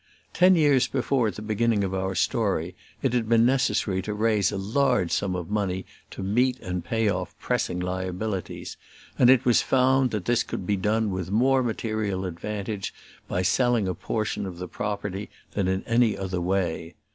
Ten years before the beginning of our story it had been necessary to raise a large sum of money to meet and pay off pressing liabilities, and it was found that this could be done with more material advantage by selling a portion of the property than in any other way.